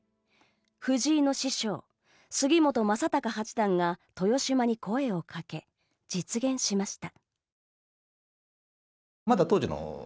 藤井の師匠、杉本昌隆八段が豊島に声をかけ、実現しました。